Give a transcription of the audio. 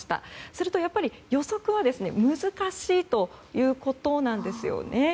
するとやっぱり予測は難しいということなんですよね。